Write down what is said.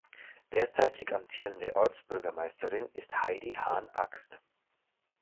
Derzeitig amtierende Ortsbürgermeisterin ist Heidi Hahn-Axt.